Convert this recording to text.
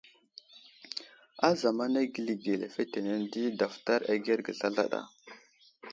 Ázamana geli ge lefetenene di daftar agerge zlazlaɗa.